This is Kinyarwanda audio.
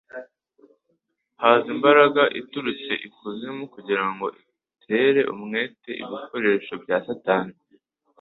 haza imbaraga iturutse ikuzimu kugira ngo itera umwete ibikoresho bya Satani.